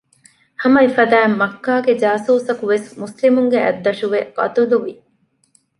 ހަމައެފަދައިން މައްކާގެ ޖާސޫސަކުވެސް މުސްލިމުންގެ އަތްދަށުވެ ޤަތުލުވި